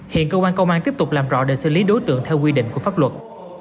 hiện cơ quan công an tiếp tục làm rõ để xử lý đối tượng theo quy định của pháp luật